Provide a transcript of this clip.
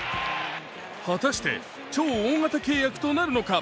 果たして超大型契約となるのか。